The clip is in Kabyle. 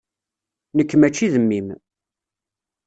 Nekk mačči d mmi-m.